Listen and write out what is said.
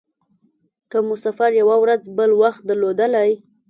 که مو سفر یوه ورځ بل وخت درلودلای.